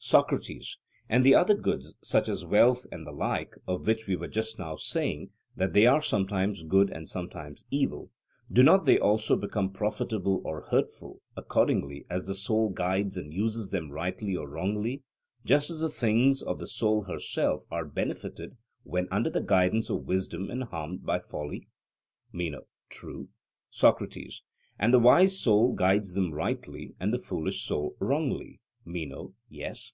SOCRATES: And the other goods, such as wealth and the like, of which we were just now saying that they are sometimes good and sometimes evil, do not they also become profitable or hurtful, accordingly as the soul guides and uses them rightly or wrongly; just as the things of the soul herself are benefited when under the guidance of wisdom and harmed by folly? MENO: True. SOCRATES: And the wise soul guides them rightly, and the foolish soul wrongly. MENO: Yes.